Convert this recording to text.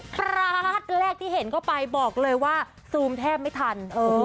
คราดแรกที่เห็นเข้าไปบอกเลยว่าซูมแทบไม่ทัน